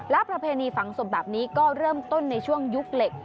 และประเพณีฝังศพแบบนี้ก็เริ่มต้นในช่วงยุคเหล็ก